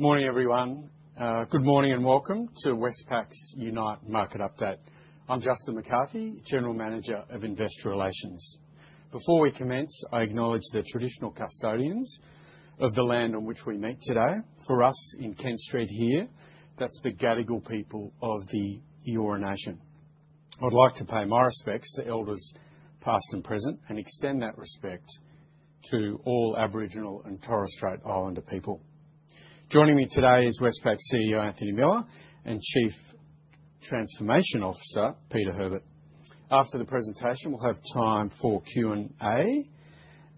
Morning, everyone. Good morning and welcome to Westpac's UNITE Market Update. I'm Justin McCarthy, General Manager of Investor Relations. Before we commence, I acknowledge the traditional custodians of the land on which we meet today. For us in Kent Street here, that's the Gadigal people of the Eora Nation. I'd like to pay my respects to elders past and present and extend that respect to all Aboriginal and Torres Strait Islander people. Joining me today is Westpac CEO, Anthony Miller, and Chief Transformation Officer, Peter Herbert. After the presentation, we'll have time for Q&A.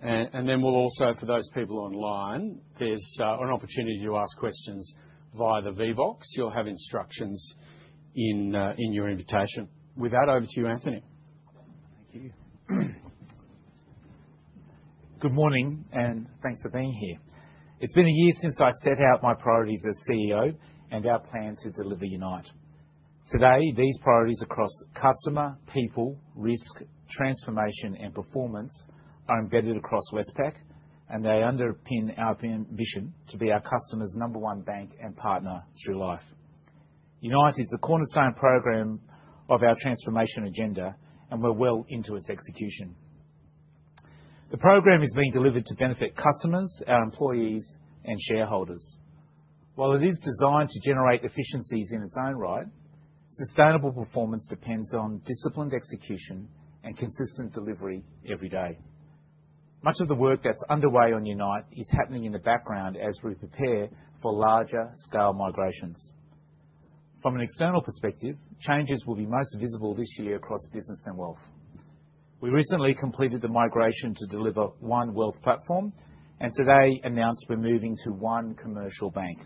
We'll also, for those people online, there's an opportunity to ask questions via the Vbox. You'll have instructions in your invitation. With that, over to you, Anthony. Thank you. Good morning, and thanks for being here. It's been a year since I set out my priorities as CEO and our plan to deliver UNITE. Today, these priorities across customer, people, risk, transformation, and performance are embedded across Westpac, and they underpin our ambition to be our customers' number one bank and partner through life. UNITE is the cornerstone program of our transformation agenda, and we're well into its execution. The program is being delivered to benefit customers, our employees, and shareholders. While it is designed to generate efficiencies in its own right, sustainable performance depends on disciplined execution and consistent delivery every day. Much of the work that's underway on UNITE is happening in the background as we prepare for larger scale migrations. From an external perspective, changes will be most visible this year across Business and Wealth. We recently completed the migration to deliver One Wealth Platform and today announced we're moving to One Commercial Bank.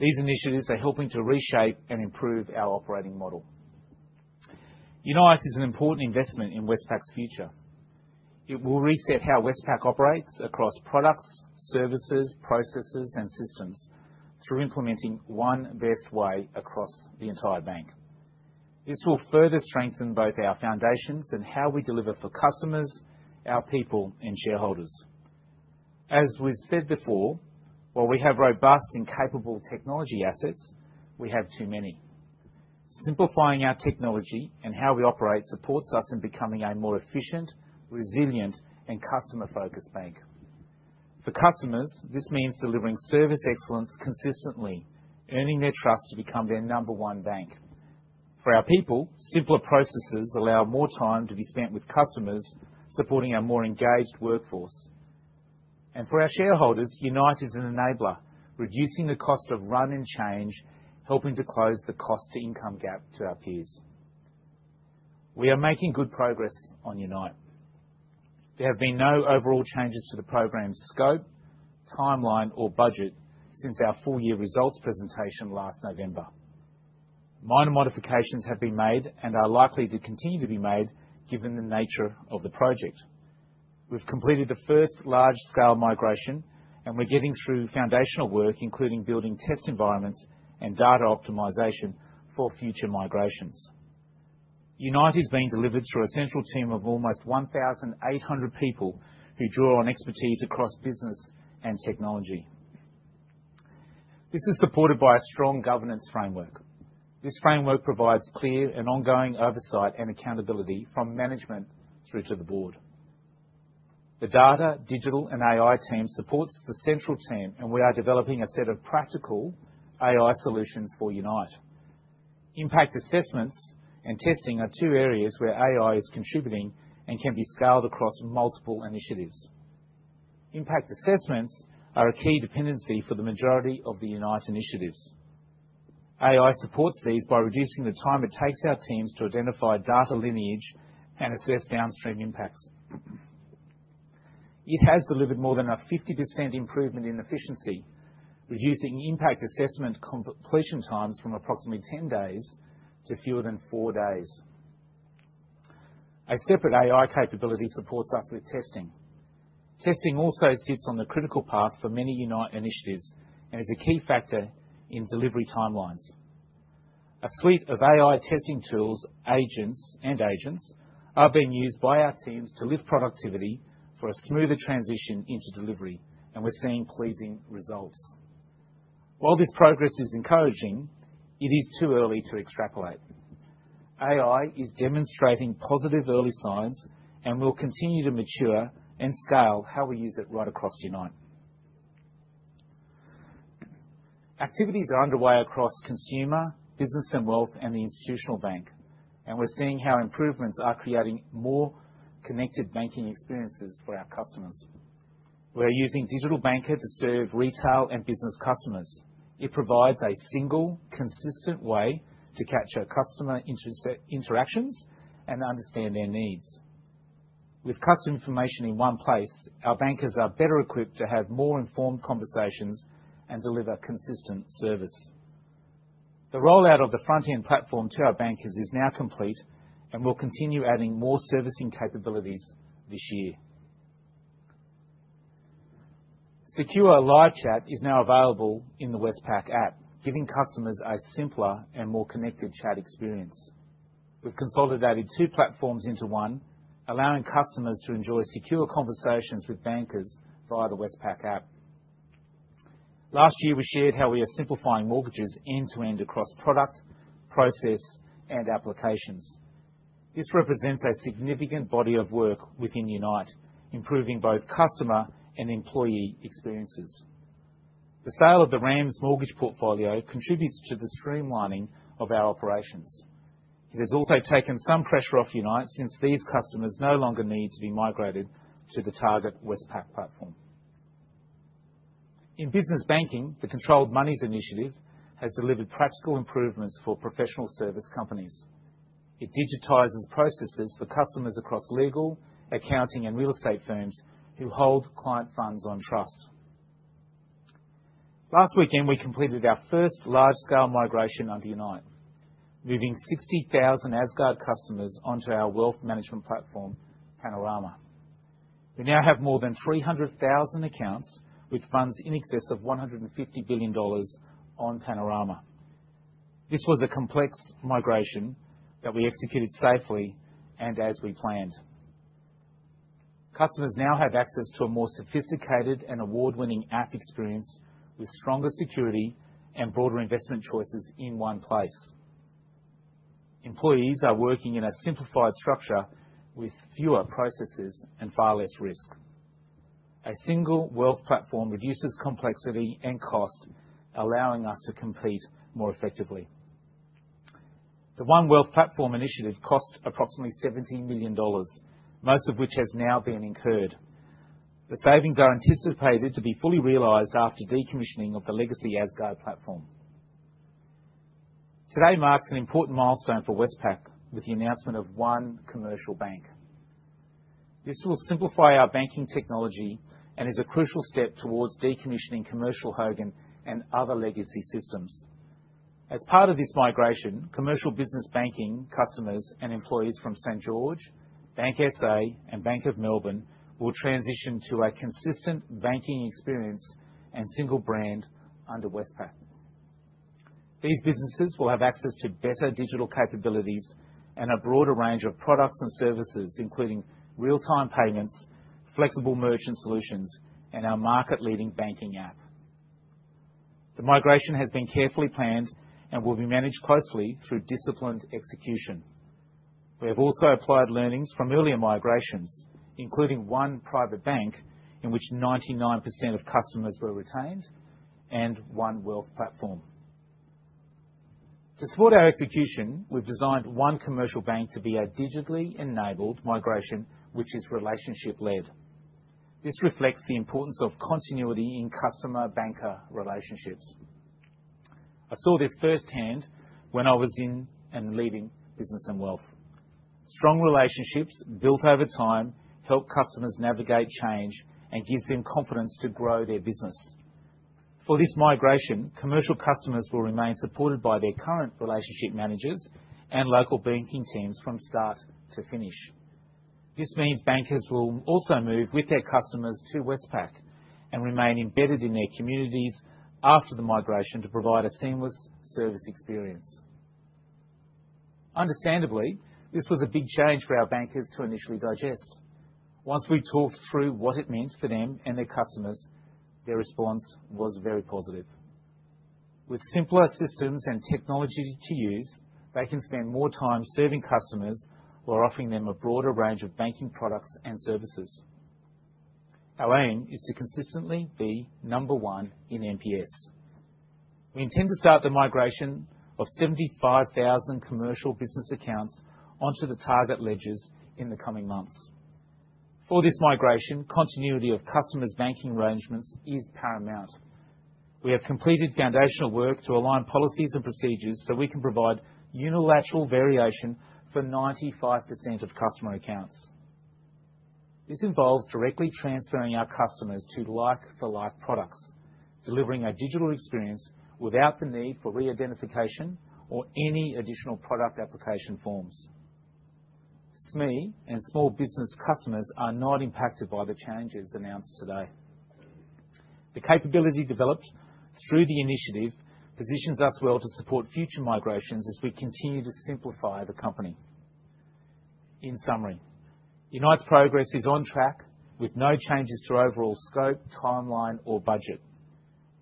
These initiatives are helping to reshape and improve our operating model. UNITE is an important investment in Westpac's future. It will reset how Westpac operates across products, services, processes, and systems through implementing one best way across the entire bank. This will further strengthen both our foundations and how we deliver for customers, our people, and shareholders. As we've said before, while we have robust and capable technology assets, we have too many. Simplifying our technology and how we operate supports us in becoming a more efficient, resilient, and customer-focused bank. For customers, this means delivering service excellence consistently, earning their trust to become their number one bank. For our people, simpler processes allow more time to be spent with customers, supporting our more engaged workforce. For our shareholders, UNITE is an enabler, reducing the cost of run and change, helping to close the cost-to-income gap to our peers. We are making good progress on UNITE. There have been no overall changes to the program scope, timeline, or budget since our full year results presentation last November. Minor modifications have been made and are likely to continue to be made given the nature of the project. We've completed the first large-scale migration, and we're getting through foundational work, including building test environments and data optimization for future migrations. UNITE is being delivered through a central team of almost 1,800 people who draw on expertise across business and technology. This is supported by a strong governance framework. This framework provides clear and ongoing oversight and accountability from management through to the board. The data, digital, and AI team supports the central team, and we are developing a set of practical AI solutions for UNITE. Impact assessments and testing are two areas where AI is contributing and can be scaled across multiple initiatives. Impact assessments are a key dependency for the majority of the UNITE initiatives. AI supports these by reducing the time it takes our teams to identify data lineage and assess downstream impacts. It has delivered more than a 50% improvement in efficiency, reducing impact assessment completion times from approximately 10 days to fewer than four days. A separate AI capability supports us with testing. Testing also sits on the critical path for many UNITE initiatives and is a key factor in delivery timelines. A suite of AI testing tools agents, and agents are being used by our teams to lift productivity for a smoother transition into delivery, and we're seeing pleasing results. While this progress is encouraging, it is too early to extrapolate. AI is demonstrating positive early signs and will continue to mature and scale how we use it right across UNITE. Activities are underway across Consumer, Business and Wealth, and the Institutional Bank, and we're seeing how improvements are creating more connected banking experiences for our customers. We're using Digital Banker to serve retail and business customers. It provides a single consistent way to capture customer interactions and understand their needs. With customer information in one place, our bankers are better equipped to have more informed conversations and deliver consistent service. The rollout of the front-end platform to our bankers is now complete, and we'll continue adding more servicing capabilities this year. Secure live chat is now available in the Westpac app, giving customers a simpler and more connected chat experience. We've consolidated two platforms into one, allowing customers to enjoy secure conversations with bankers via the Westpac app. Last year, we shared how we are simplifying mortgages end-to-end across product, process, and applications. This represents a significant body of work within UNITE, improving both customer and employee experiences. The sale of the RAMS mortgage portfolio contributes to the streamlining of our operations. It has also taken some pressure off UNITE since these customers no longer need to be migrated to the target Westpac platform. In business banking, the Controlled Monies initiative has delivered practical improvements for professional service companies. It digitizes processes for customers across legal, accounting, and real estate firms who hold client funds on trust. Last weekend, we completed our first large-scale migration of UNITE, moving 60,000 Asgard customers onto our wealth management platform, Panorama. We now have more than 300,000 accounts with funds in excess of 150 billion dollars on Panorama. This was a complex migration that we executed safely and as we planned. Customers now have access to a more sophisticated and award-winning app experience with stronger security and broader investment choices in one place. Employees are working in a simplified structure with fewer processes and far less risk. A single wealth platform reduces complexity and cost, allowing us to compete more effectively. The One Wealth Platform initiative cost approximately AUD 17 million, most of which has now been incurred. The savings are anticipated to be fully realized after decommissioning of the legacy Asgard platform. Today marks an important milestone for Westpac with the announcement of One Commercial Bank. This will simplify our banking technology and is a crucial step towards decommissioning Commercial Hogan and other legacy systems. As part of this migration, commercial business banking customers and employees from St.George, BankSA, and Bank of Melbourne will transition to a consistent banking experience and single brand under Westpac. These businesses will have access to better digital capabilities and a broader range of products and services, including real-time payments, flexible merchant solutions, and our market-leading banking app. The migration has been carefully planned and will be managed closely through disciplined execution. We have also applied learnings from earlier migrations, including One Private Bank, in which 99% of customers were retained, and One Wealth Platform. To support our execution, we've designed One Commercial Bank to be a digitally enabled migration which is relationship-led. This reflects the importance of continuity in customer-banker relationships. I saw this firsthand when I was in and leaving Business and Wealth. Strong relationships built over time help customers navigate change and gives them confidence to grow their business. For this migration, commercial customers will remain supported by their current relationship managers and local banking teams from start to finish. This means bankers will also move with their customers to Westpac and remain embedded in their communities after the migration to provide a seamless service experience. Understandably, this was a big change for our bankers to initially digest. Once we talked through what it meant for them and their customers, their response was very positive. With simpler systems and technology to use, they can spend more time serving customers while offering them a broader range of banking products and services. Our aim is to consistently be number one in NPS. We intend to start the migration of 75,000 commercial business accounts onto the target ledgers in the coming months. For this migration, continuity of customers' banking arrangements is paramount. We have completed foundational work to align policies and procedures so we can provide unilateral variation for 95% of customer accounts. This involves directly transferring our customers to like for like products, delivering a digital experience without the need for re-identification or any additional product application forms. SME and small business customers are not impacted by the changes announced today. The capability developed through the initiative positions us well to support future migrations as we continue to simplify the company. In summary, UNITE's progress is on track with no changes to overall scope, timeline, or budget.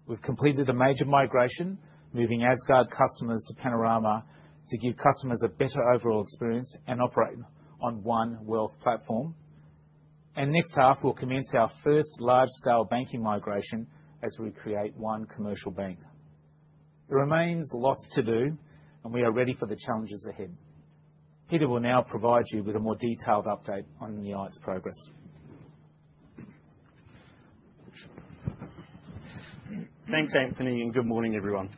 We've completed a major migration, moving Asgard customers to Panorama to give customers a better overall experience and operate on One Wealth Platform. Next half, we'll commence our first large-scale banking migration as we create One Commercial Bank. There remains lots to do, and we are ready for the challenges ahead. Peter will now provide you with a more detailed update on UNITE's progress. Thanks, Anthony, and good morning, everyone.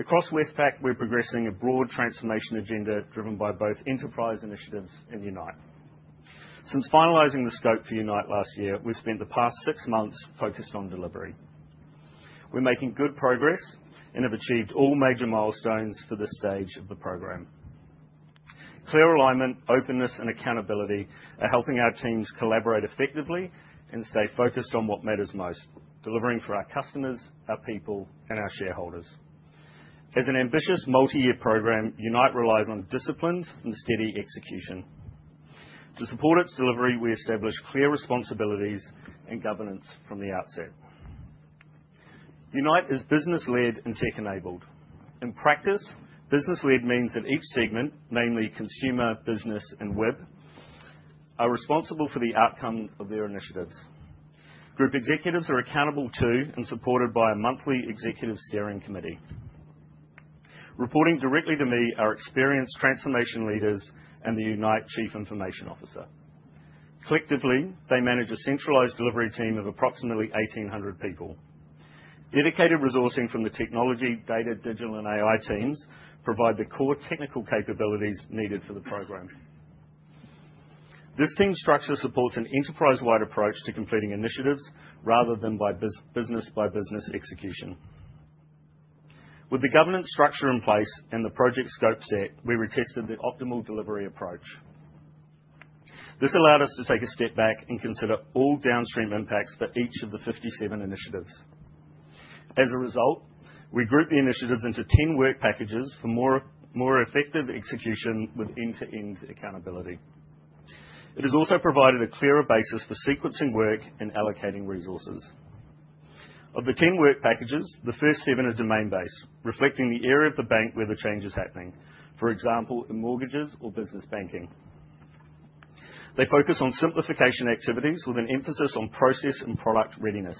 Across Westpac, we're progressing a broad transformation agenda driven by both enterprise initiatives and UNITE. Since finalizing the scope for UNITE last year, we've spent the past six months focused on delivery. We're making good progress and have achieved all major milestones for this stage of the program. Clear alignment, openness, and accountability are helping our teams collaborate effectively and stay focused on what matters most, delivering for our customers, our people, and our shareholders. As an ambitious multi-year program, UNITE relies on disciplined and steady execution. To support its delivery, we established clear responsibilities and governance from the outset. UNITE is business-led and tech-enabled. In practice, business-led means that each segment, namely consumer, business, and wealth, are responsible for the outcome of their initiatives. Group executives are accountable to and supported by a monthly executive steering committee. Reporting directly to me are experienced transformation leaders and the UNITE chief information officer. Collectively, they manage a centralized delivery team of approximately 1,800 people. Dedicated resourcing from the technology, data, digital, and AI teams provide the core technical capabilities needed for the program. This team structure supports an enterprise-wide approach to completing initiatives rather than by business by business execution. With the governance structure in place and the project scope set, we retested the optimal delivery approach. This allowed us to take a step back and consider all downstream impacts for each of the 57 initiatives. As a result, we grouped the initiatives into 10 work packages for more effective execution with end-to-end accountability. It has also provided a clearer basis for sequencing work and allocating resources. Of the 10 work packages, the first seven are domain-based, reflecting the area of the bank where the change is happening. For example, in mortgages or business banking. They focus on simplification activities with an emphasis on process and product readiness.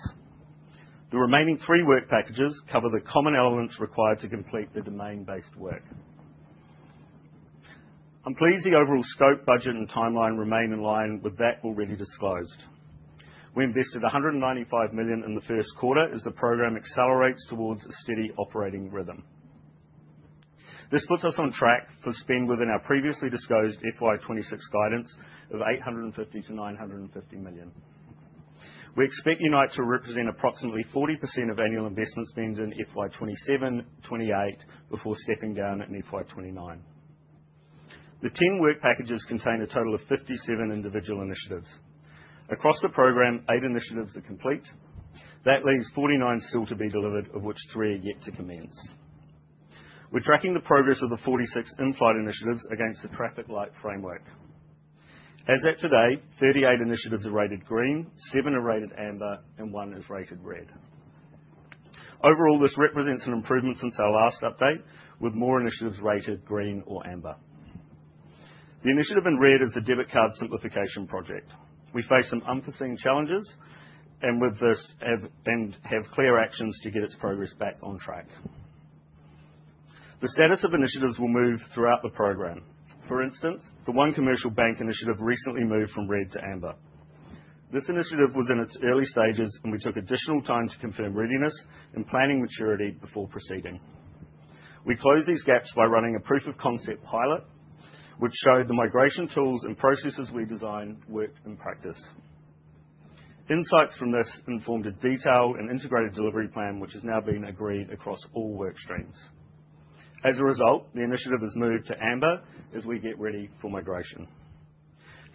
The remaining three work packages cover the common elements required to complete the domain-based work. I'm pleased the overall scope, budget, and timeline remain in line with that already disclosed. We invested 195 million in the first quarter as the program accelerates towards a steady operating rhythm. This puts us on track for spend within our previously disclosed FY 2026 guidance of 850 million-950 million. We expect UNITE to represent approximately 40% of annual investment spend in FY 2027, FY 2028, before stepping down in FY 2029. The 10 work packages contain a total of 57 individual initiatives. Across the program, eight initiatives are complete. That leaves 49 still to be delivered, of which three are yet to commence. We're tracking the progress of the 46 in-flight initiatives against the traffic light framework. As at today, 38 initiatives are rated green, seven are rated amber, and one is rated red. Overall, this represents an improvement since our last update, with more initiatives rated green or amber. The initiative in red is the debit card simplification project. We face some unforeseen challenges and have clear actions to get its progress back on track. The status of initiatives will move throughout the program. For instance, the One Commercial Bank initiative recently moved from red to amber. This initiative was in its early stages, and we took additional time to confirm readiness and planning maturity before proceeding. We closed these gaps by running a proof of concept pilot, which showed the migration tools and processes we designed work in practice. Insights from this informed a detailed and integrated delivery plan, which is now being agreed across all work streams. As a result, the initiative has moved to amber as we get ready for migration.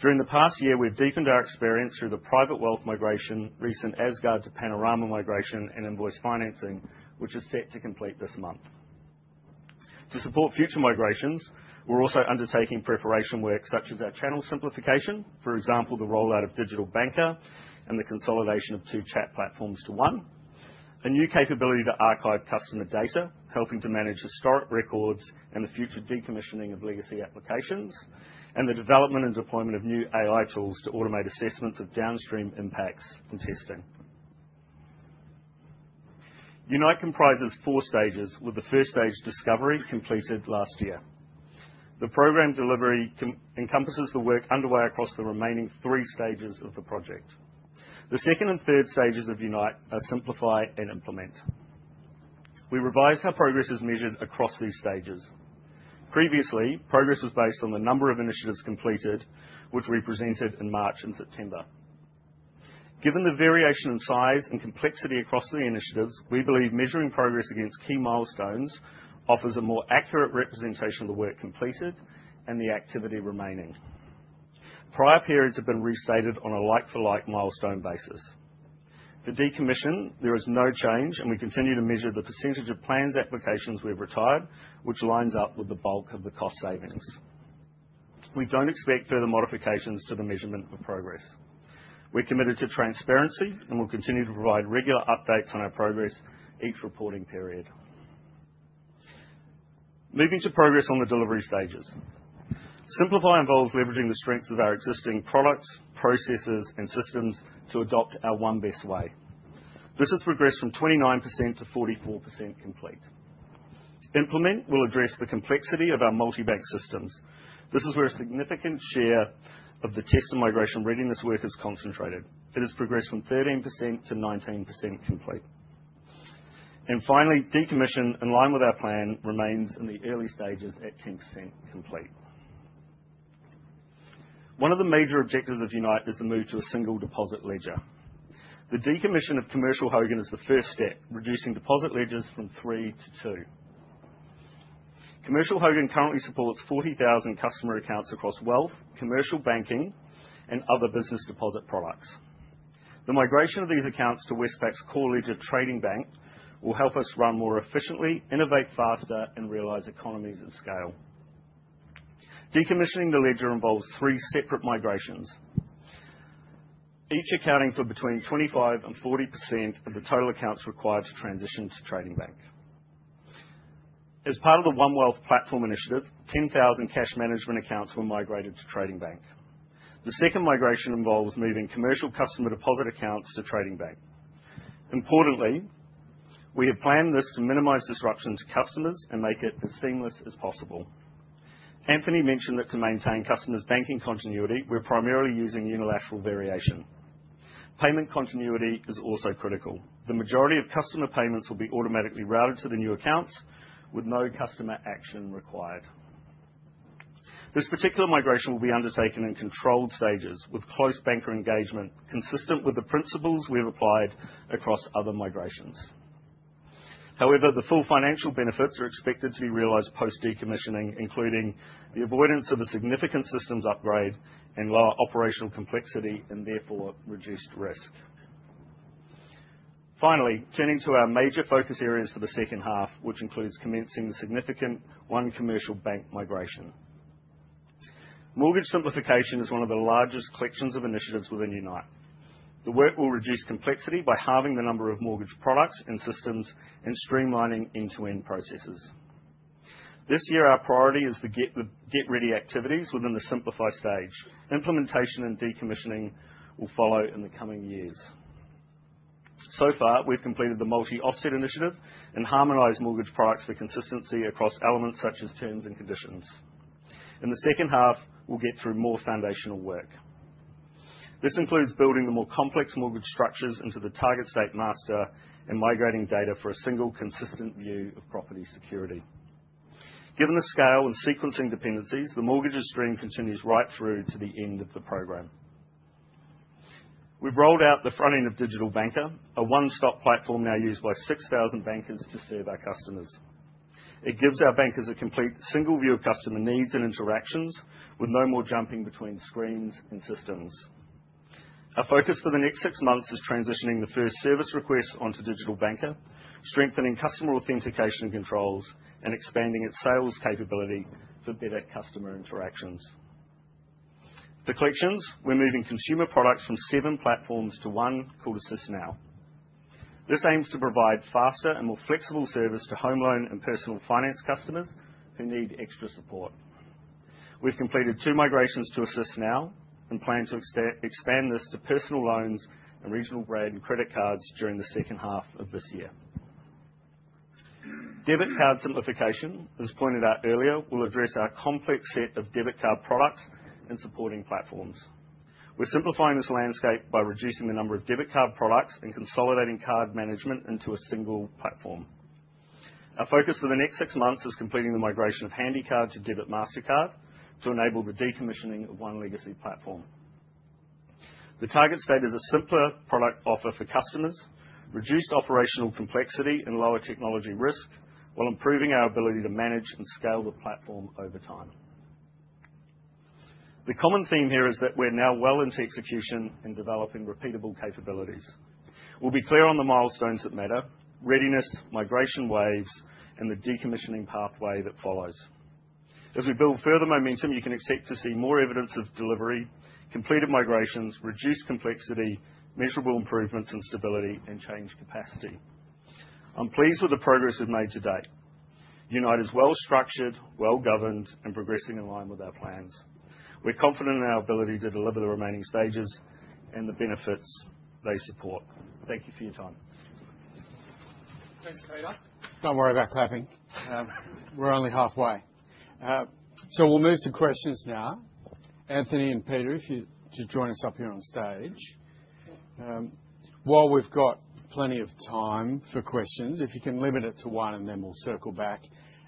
During the past year, we've deepened our experience through the private wealth migration, recent Asgard to Panorama migration, and invoice financing, which is set to complete this month. To support future migrations, we're also undertaking preparation work such as our channel simplification, for example, the rollout of Digital Banker and the consolidation of two chat platforms to one, a new capability to archive customer data, helping to manage historic records and the future decommissioning of legacy applications. The development and deployment of new AI tools to automate assessments of downstream impacts and testing. UNITE comprises four stages, with the first stage, discovery, completed last year. The program delivery encompasses the work underway across the remaining three stages of the project. The second and third stages of UNITE are simplify and implement. We revised how progress is measured across these stages. Previously, progress was based on the number of initiatives completed, which we presented in March and September. Given the variation in size and complexity across the initiatives, we believe measuring progress against key milestones offers a more accurate representation of the work completed and the activity remaining. Prior periods have been restated on a like-for-like milestone basis. For decommission, there is no change, and we continue to measure the percentage of planned applications we've retired, which lines up with the bulk of the cost savings. We don't expect further modifications to the measurement of progress. We're committed to transparency and will continue to provide regular updates on our progress each reporting period. Moving to progress on the delivery stages. Simplify involves leveraging the strengths of our existing products, processes, and systems to adopt our one best way. This has progressed from 29%-44% complete. Implement will address the complexity of our multi-bank systems. This is where a significant share of the test and migration readiness work is concentrated. It has progressed from 13%-19% complete. Finally, decommission, in line with our plan, remains in the early stages at 10% complete. One of the major objectives of UNITE is the move to a single deposit ledger. The decommission of Commercial Hogan is the first step, reducing deposit ledgers from 3 to 2. Commercial Hogan currently supports 40,000 customer accounts across wealth, commercial banking, and other business deposit products. The migration of these accounts to Westpac's core ledger Trading Bank will help us run more efficiently, innovate faster, and realize economies of scale. Decommissioning the ledger involves three separate migrations, each accounting for between 25% and 40% of the total accounts required to transition to Trading Bank. As part of the One Wealth Platform initiative, 10,000 cash management accounts were migrated to Trading Bank. The second migration involves moving commercial customer deposit accounts to Trading Bank. Importantly, we have planned this to minimize disruption to customers and make it as seamless as possible. Anthony mentioned that to maintain customers' banking continuity, we're primarily using unilateral variation. Payment continuity is also critical. The majority of customer payments will be automatically routed to the new accounts with no customer action required. This particular migration will be undertaken in controlled stages with close banker engagement, consistent with the principles we have applied across other migrations. However, the full financial benefits are expected to be realized post-decommissioning, including the avoidance of a significant systems upgrade and lower operational complexity and therefore, reduced risk. Finally, turning to our major focus areas for the second half, which includes commencing the significant One Commercial Bank migration. Mortgage simplification is one of the largest collections of initiatives within UNITE. The work will reduce complexity by halving the number of mortgage products and systems and streamlining end-to-end processes. This year, our priority is to get ready activities within the simplify stage. Implementation and decommissioning will follow in the coming years. So far, we've completed the multi-offset initiative and harmonized mortgage products for consistency across elements such as terms and conditions. In the second half, we'll get through more foundational work. This includes building the more complex mortgage structures into the target state master and migrating data for a single consistent view of property security. Given the scale and sequencing dependencies, the mortgages stream continues right through to the end of the program. We've rolled out the front end of Digital Banker, a one-stop platform now used by 6,000 bankers to serve our customers. It gives our bankers a complete single view of customer needs and interactions with no more jumping between screens and systems. Our focus for the next six months is transitioning the first service request onto Digital Banker, strengthening customer authentication controls, and expanding its sales capability for better customer interactions. For collections, we're moving consumer products from seven platforms to one called AssistNow. This aims to provide faster and more flexible service to home loan and personal finance customers who need extra support. We've completed two migrations to AssistNow and plan to expand this to personal loans and regional brand credit cards during the second half of this year. Debit card simplification, as pointed out earlier, will address our complex set of debit card products and supporting platforms. We're simplifying this landscape by reducing the number of debit card products and consolidating card management into a single platform. Our focus for the next six months is completing the migration of Handycard to Debit Mastercard to enable the decommissioning of one legacy platform. The target state is a simpler product offer for customers, reduced operational complexity and lower technology risk, while improving our ability to manage and scale the platform over time. The common theme here is that we're now well into execution and developing repeatable capabilities. We'll be clear on the milestones that matter, readiness, migration waves, and the decommissioning pathway that follows. As we build further momentum, you can expect to see more evidence of delivery, completed migrations, reduced complexity, measurable improvements and stability, and change capacity. I'm pleased with the progress we've made to date. UNITE is well structured, well governed, and progressing in line with our plans. We're confident in our ability to deliver the remaining stages and the benefits they support. Thank you for your time. Thanks, Peter. Don't worry about clapping. We're only halfway. So we'll move to questions now. Anthony and Peter, if you'd join us up here on stage. While we've got plenty of time for questions, if you can limit it to one, and then we'll circle back.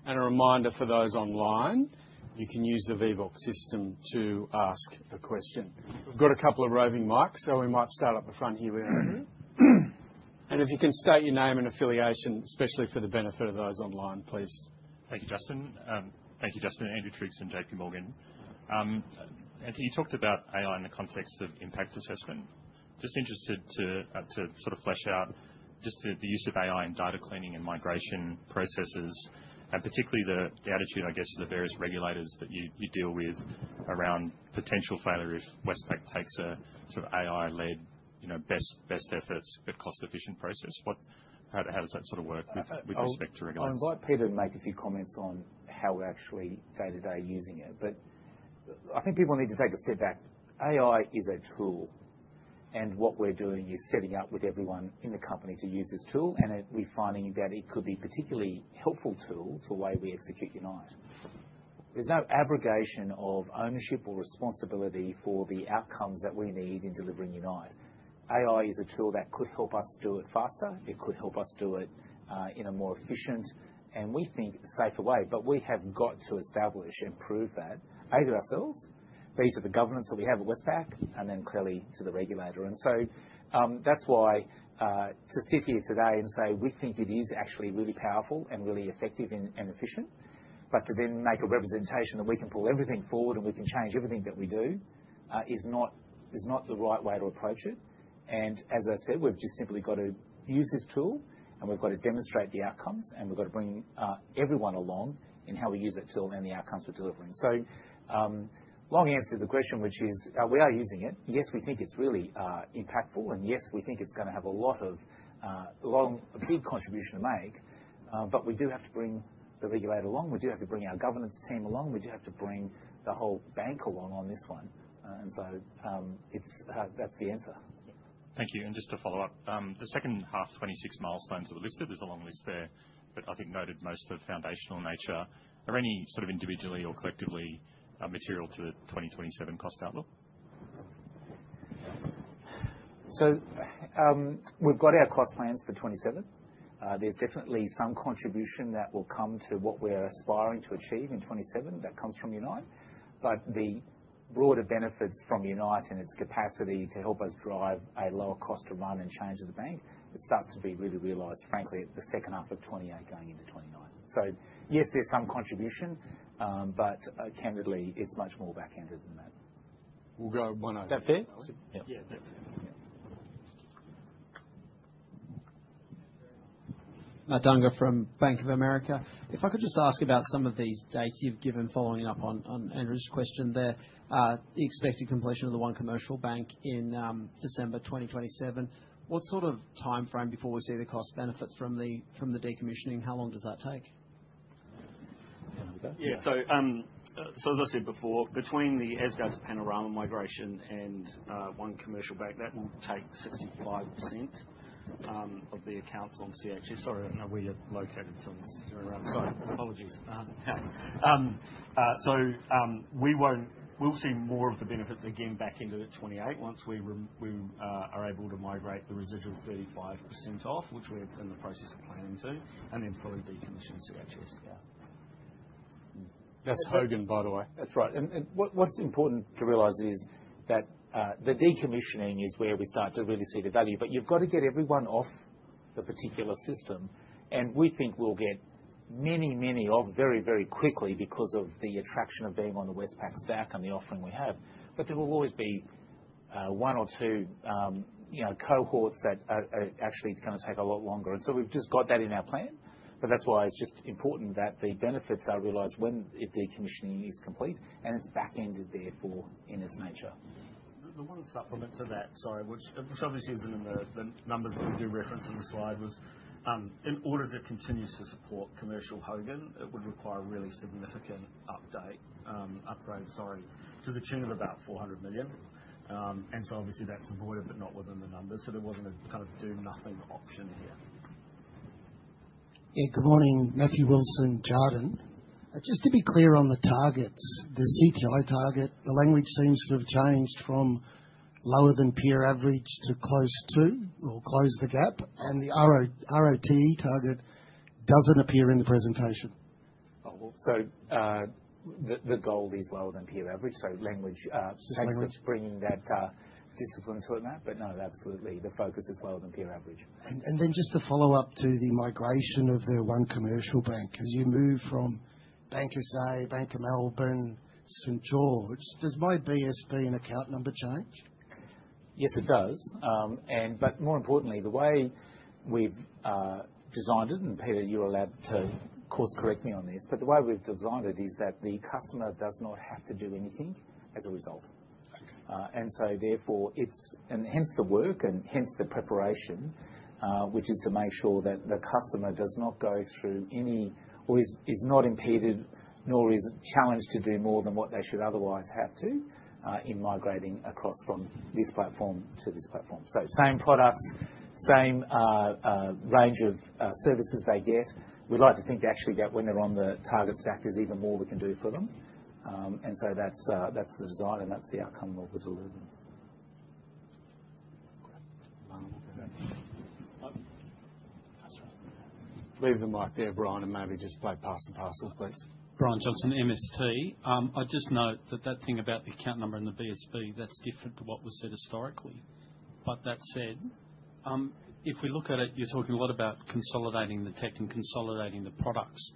A reminder for those online, you can use the Vbox system to ask a question. We've got a couple of roving mics, so we might start up the front here with Andrew. If you can state your name and affiliation, especially for the benefit of those online, please. Thank you, Justin. Andrew Triggs from JPMorgan. Anthony, you talked about AI in the context of impact assessment. Just interested to sort of flesh out just the use of AI in data cleaning and migration processes, and particularly the attitude, I guess, to the various regulators that you deal with around potential failure if Westpac takes a sort of AI-led, you know, best efforts but cost-efficient process. How does that sort of work with respect to regulators? I invite Peter to make a few comments on how we're actually day to day using it. I think people need to take a step back. AI is a tool, and what we're doing is setting up with everyone in the company to use this tool, and we're finding that it could be particularly helpful tool to the way we execute UNITE. There's no abrogation of ownership or responsibility for the outcomes that we need in delivering UNITE. AI is a tool that could help us do it faster. It could help us do it in a more efficient, and we think safer way. We have got to establish and prove that, A, to ourselves, B, to the governance that we have at Westpac, and then clearly to the regulator. That's why to sit here today and say we think it is actually really powerful and really effective and efficient. To then make a representation that we can pull everything forward and we can change everything that we do is not the right way to approach it. As I said, we've just simply got to use this tool, and we've got to demonstrate the outcomes, and we've got to bring everyone along in how we use that tool and the outcomes we're delivering. Long answer to the question, which is, we are using it. Yes, we think it's really impactful. Yes, we think it's gonna have a lot of a big contribution to make. But we do have to bring the regulator along. We do have to bring our governance team along. We do have to bring the whole bank along on this one. That's the answer. Thank you. Just to follow up, the second half, 26 milestones are listed. There's a long list there, but I think noted most are the foundational nature. Are any sort of individually or collectively, material to the 2027 cost outlook? We've got our cost plans for 27. There's definitely some contribution that will come to what we're aspiring to achieve in 27 that comes from UNITE. The broader benefits from UNITE and its capacity to help us drive a lower cost to run and change of the bank. It starts to be really realized, frankly, at the second half of 28 going into 29. Yes, there's some contribution. Candidly, it's much more back-ended than that. We'll go one other. Is that fair? Yeah. Yeah. Yeah, that's fair. Okay. Luca Ittimani from Bank of America. If I could just ask about some of these dates you've given, following up on Andrew's question there. The expected completion of the One Commercial Bank in December 2027, what sort of timeframe before we see the cost benefits from the decommissioning? How long does that take? Yeah. Yeah. As I said before, between the Asgard to Panorama migration and One Commercial Bank, that will take 65% of the accounts on CHS. Sorry, I don't know where you're located, Phil. You're around. Sorry. Apologies. We'll see more of the benefits again back into the 2028 once we are able to migrate the residual 35% off, which we're in the process of planning to, and then fully decommission CHS. Yeah. That's Hogan, by the way. That's right. What's important to realize is that the decommissioning is where we start to really see the value. You've got to get everyone off the particular system, and we think we'll get many off very quickly because of the attraction of being on the Westpac stack and the offering we have. There will always be one or two you know cohorts that are actually gonna take a lot longer. We've just got that in our plan. That's why it's just important that the benefits are realized when a decommissioning is complete, and it's back-ended therefore in its nature. The one supplement to that, sorry, which obviously isn't in the numbers that we do reference in the slide, was in order to continue to support Commercial Hogan, it would require a really significant upgrade to the tune of about 400 million. Obviously that's avoided, but not within the numbers. There wasn't a kind of do nothing option here. Yeah. Good morning. Matthew Wilson, Jarden. Just to be clear on the targets, the CTI target, the language seems to have changed from lower than peer average to close to or close the gap. The ROTE target doesn't appear in the presentation. The goal is lower than peer average. Language, Just language. Thanks for bringing that, discipline to it, Matt. No, absolutely the focus is lower than peer average. Just to follow up to the migration of the One Commercial Bank, as you move from BankSA, Bank of Melbourne, St. George, does my BSB and account number change? Yes, it does. More importantly, the way we've designed it, and Peter, you're allowed to course-correct me on this, but the way we've designed it is that the customer does not have to do anything as a result. Okay. the work and the preparation, which is to make sure that the customer does not go through any or is not impeded, nor is challenged to do more than what they should otherwise have to, in migrating across from this platform to this platform. Same products, same range of services they get. We'd like to think actually that when they're on the target stack, there's even more we can do for them. That's the design and that's the outcome that we're delivering. Great. Leave the mic there, Brian, and maybe just play pass the parcel, please. Brian Johnson, MST. I just note that thing about the account number and the BSB, that's different to what was said historically. That said, if we look at it, you're talking a lot about consolidating the tech and consolidating the products.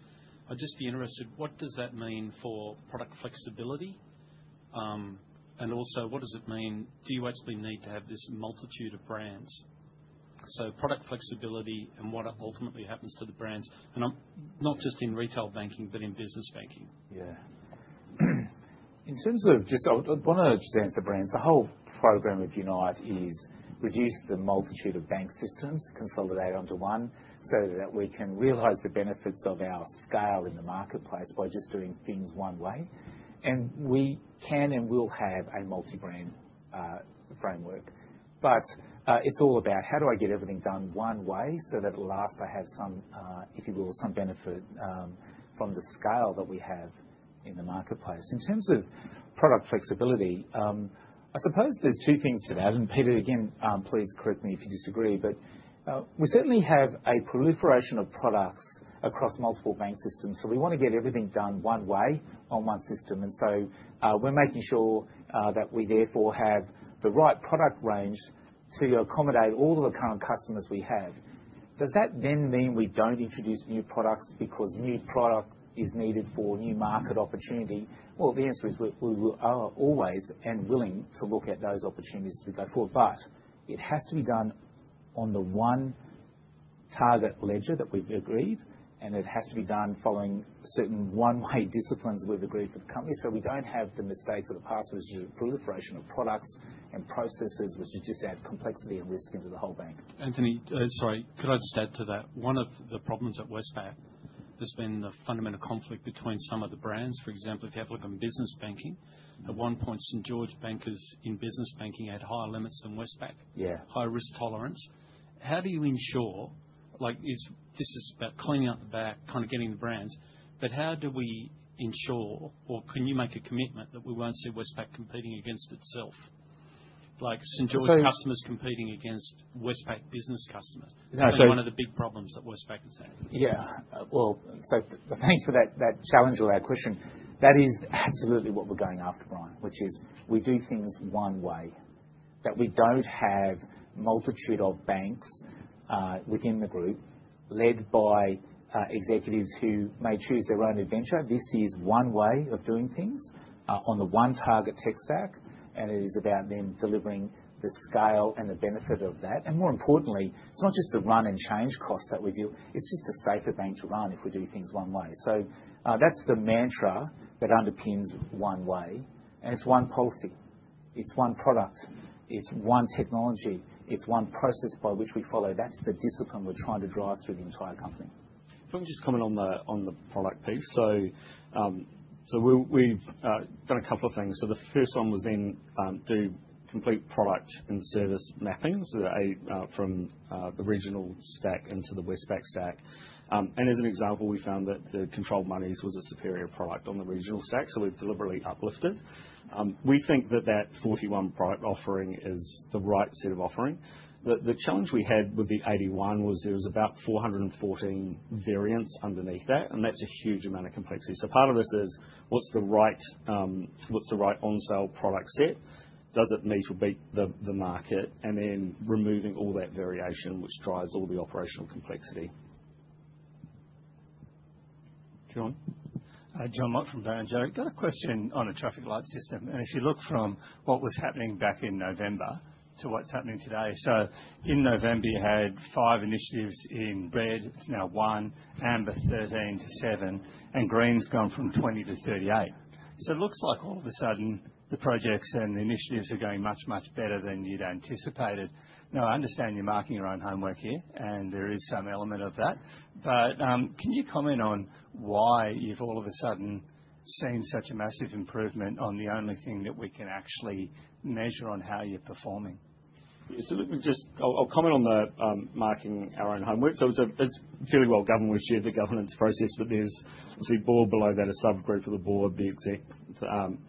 I'd just be interested, what does that mean for product flexibility? And also what does it mean? Do you actually need to have this multitude of brands? Product flexibility and what ultimately happens to the brands, and not just in retail banking, but in business banking. Yeah. In terms of just, I wanna just answer brands. The whole program of UNITE is reduce the multitude of bank systems, consolidate onto one, so that we can realize the benefits of our scale in the marketplace by just doing things one way. We can and will have a multi-brand framework. It's all about how do I get everything done one way so that at last I have some, if you will, some benefit from the scale that we have in the marketplace. In terms of product flexibility, I suppose there's two things to that. Peter, again, please correct me if you disagree. We certainly have a proliferation of products across multiple bank systems, so we wanna get everything done one way on one system. We're making sure that we therefore have the right product range to accommodate all of the current customers we have. Does that mean we don't introduce new products because new product is needed for new market opportunity? Well, the answer is we are always willing to look at those opportunities as we go forward, but it has to be done on the one target ledger that we've agreed, and it has to be done following certain one-way disciplines we've agreed for the company, so we don't have the mistakes of the past, which is a proliferation of products and processes which just add complexity and risk into the whole bank. Anthony, sorry, could I just add to that? One of the problems at Westpac has been the fundamental conflict between some of the brands. For example, if you have a look in business banking, at one point, St. George bankers in business banking had higher limits than Westpac. Yeah. Higher risk tolerance. How do you ensure, like, this is about cleaning up the back, kind of getting the brands, but how do we ensure, or can you make a commitment that we won't see Westpac competing against itself? Like St. George. So- customers competing against Westpac business customers? So- That's been one of the big problems that Westpac has had. Yeah. Well, thanks for that challenge or that question. That is absolutely what we're going after, Brian, which is we do things one way. That we don't have multitude of banks within the group, led by executives who may choose their own adventure. This is one way of doing things on the one target tech stack, and it is about them delivering the scale and the benefit of that. More importantly, it's not just the run and change cost that we do. It's just a safer bank to run if we do things one way. That's the mantra that underpins one way, and it's one policy, it's one product, it's one technology, it's one process by which we follow. That's the discipline we're trying to drive through the entire company. If I can just comment on the product piece. We've done a couple of things. The first one was to do complete product and service mappings from the regional stack into the Westpac stack. As an example, we found that the Controlled Monies was a superior product on the regional stack, so we've deliberately uplifted. We think that 41 product offering is the right set of offering. The challenge we had with the 81 was there was about 414 variants underneath that, and that's a huge amount of complexity. Part of this is what's the right on-sale product set? Does it meet or beat the market? Then removing all that variation which drives all the operational complexity. Jon? Jon Mott from Barrenjoey. Got a question on a traffic light system. If you look from what was happening back in November to what's happening today. In November, you had 5 initiatives in red. It's now 1. Amber, 13-7. Green's gone from 20-38. It looks like all of a sudden the projects and the initiatives are going much, much better than you'd anticipated. Now, I understand you're marking your own homework here, and there is some element of that. Can you comment on why you've all of a sudden seen such a massive improvement on the only thing that we can actually measure on how you're performing? Let me just comment on marking our own homework. It's fairly well governed. We shared the governance process with this. There's a board below that, a subgroup of the board, the exec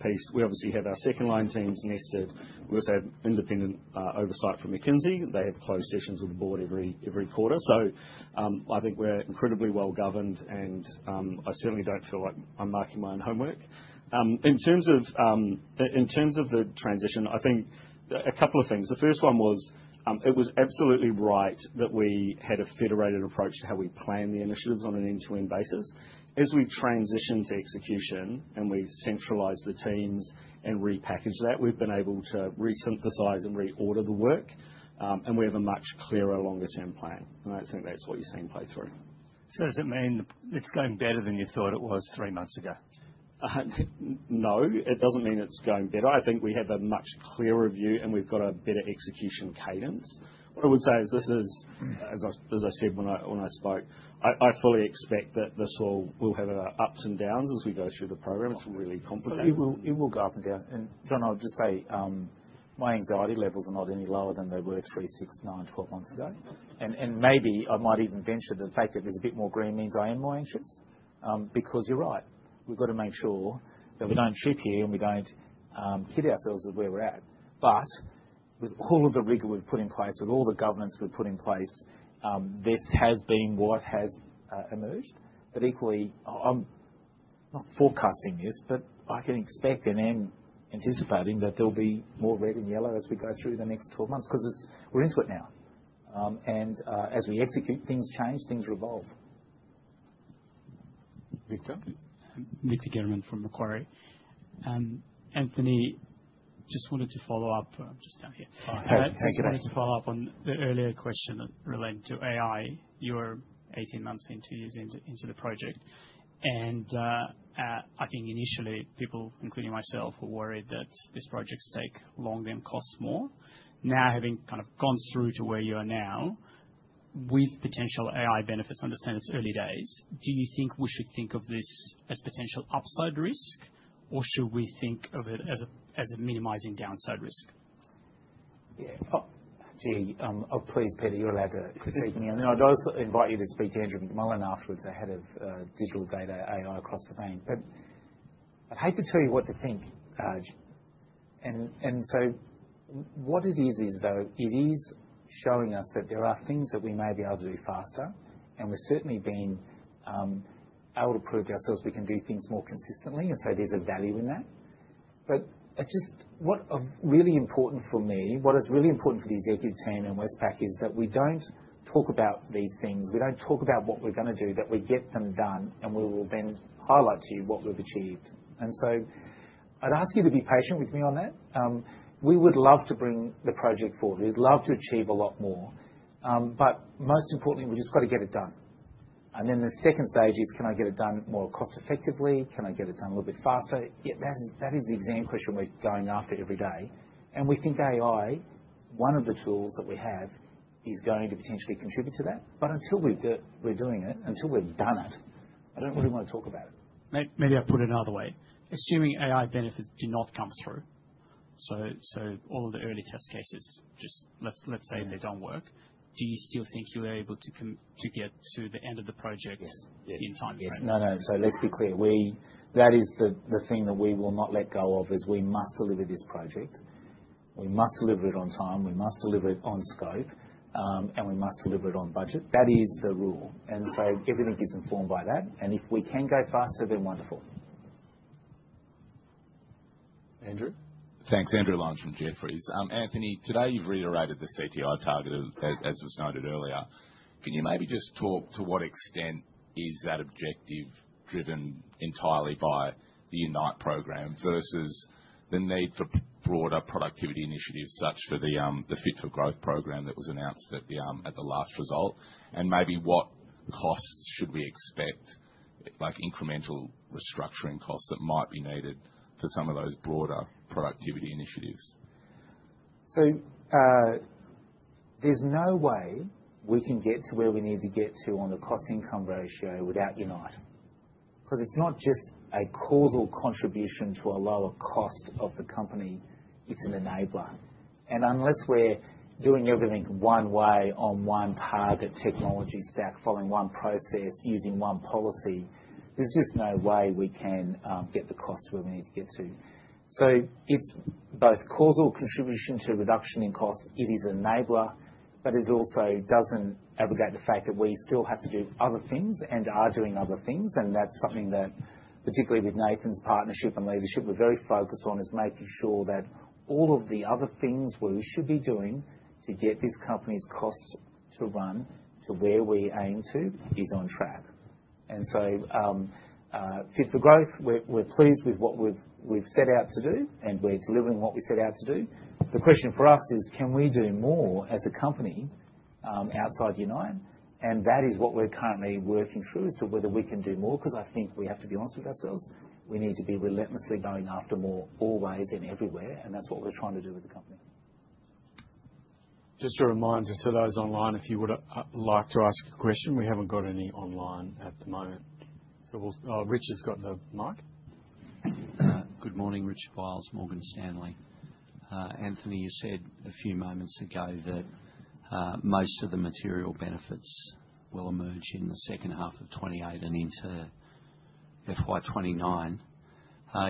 piece. We obviously have our second line teams nested. We also have independent oversight from McKinsey. They have closed sessions with the board every quarter. I think we're incredibly well-governed, and I certainly don't feel like I'm marking my own homework. In terms of the transition, I think a couple of things. The first one was it was absolutely right that we had a federated approach to how we plan the initiatives on an end-to-end basis. As we transition to execution and we centralize the teams and repackage that, we've been able to resynthesize and reorder the work, and we have a much clearer longer-term plan. I think that's what you're seeing play through. Does it mean it's going better than you thought it was three months ago? No, it doesn't mean it's going better. I think we have a much clearer view, and we've got a better execution cadence. What I would say is this is, as I said when I spoke, I fully expect that this all will have ups and downs as we go through the program. It's really complicated. It will go up and down. Jon, I'll just say, my anxiety levels are not any lower than they were 3, 6, 9, 12 months ago. Maybe I might even venture the fact that there's a bit more green means I am more anxious. Because you're right, we've got to make sure that we don't trip here and we don't kid ourselves of where we're at. With all of the rigor we've put in place, with all the governance we've put in place, this has been what has emerged. Equally, I'm not forecasting this, but I can expect and am anticipating that there'll be more red and yellow as we go through the next 12 months. 'Cause it's, we're into it now. As we execute, things change, things evolve. Victor? Victor German from Macquarie. Anthony, just wanted to follow up. I'm just down here. Hey. Hey, Victor. Just wanted to follow up on the earlier question relating to AI. You're 18 months in, two years into the project. I think initially people, including myself, were worried that these projects take longer and cost more. Now, having kind of gone through to where you are now. With potential AI benefits, I understand it's early days. Do you think we should think of this as potential upside risk, or should we think of it as a minimizing downside risk? Yeah. Oh, gee, oh please, Peter, you're allowed to critique me. I'd also invite you to speak to Andrew McMullan afterwards, the head of digital data AI across the bank. But I'd hate to tell you what to think, and so what it is though, it is showing us that there are things that we may be able to do faster, and we've certainly been able to prove to ourselves we can do things more consistently, and so there's a value in that. But I just—what's really important for me, what is really important for the executive team in Westpac is that we don't talk about these things, we don't talk about what we're gonna do, that we get them done, and we will then highlight to you what we've achieved. I'd ask you to be patient with me on that. We would love to bring the project forward. We'd love to achieve a lot more. Most importantly, we've just got to get it done. The second stage is, can I get it done more cost effectively? Can I get it done a little bit faster? That is the exam question we're going after every day. We think AI, one of the tools that we have, is going to potentially contribute to that. Until we do it, we're doing it, until we've done it, I don't really want to talk about it. Maybe I put another way. Assuming AI benefits do not come through, so all of the early test cases just, let's say- Yeah. They don't work. Do you still think you are able to get to the end of the project? Yes. Yes. in time frame? No, no. Let's be clear. We, that is the thing that we will not let go of, is we must deliver this project. We must deliver it on time, we must deliver it on scope, and we must deliver it on budget. That is the rule. Everything is informed by that. If we can go faster, then wonderful. Andrew? Thanks. Andrew Lyons from Jefferies. Anthony, today you've reiterated the CTI target, as was noted earlier. Can you maybe just talk to what extent is that objective driven entirely by the UNITE program versus the need for broader productivity initiatives such as the Fit for Growth program that was announced at the last result? And maybe what costs should we expect, like incremental restructuring costs that might be needed for some of those broader productivity initiatives? There's no way we can get to where we need to get to on the cost-to-income ratio without UNITE. Because it's not just a causal contribution to a lower cost of the company, it's an enabler. And unless we're doing everything one way on one target technology stack, following one process, using one policy, there's just no way we can get the cost to where we need to get to. It's both causal contribution to reduction in costs. It is enabler, but it also doesn't abrogate the fact that we still have to do other things and are doing other things. And that's something that particularly with Nathan's partnership and leadership, we're very focused on, is making sure that all of the other things we should be doing to get this company's costs to run to where we aim to is on track. Fit for Growth, we're pleased with what we've set out to do, and we're delivering what we set out to do. The question for us is can we do more as a company outside UNITE? That is what we're currently working through as to whether we can do more, because I think we have to be honest with ourselves. We need to be relentlessly going after more, always and everywhere. That's what we're trying to do with the company. Just a reminder to those online, if you would like to ask a question. We haven't got any online at the moment. Richard's got the mic. Good morning, Rich Wiles, Morgan Stanley. Anthony, you said a few moments ago that most of the material benefits will emerge in the second half of 2028 and into FY 2029.